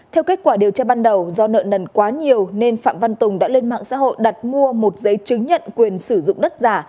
theo kết quả điều tra ban đầu do nợ nần quá nhiều nên phạm văn tùng đã lên mạng xã hội đặt mua một giấy chứng nhận quyền sử dụng đất giả